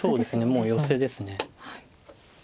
もうヨセです。